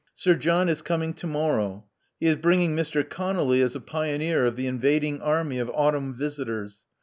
Sir John is coming to morrow. He is bringing Mr. ConoUy as a pioneer of the invading army of autumn visitors.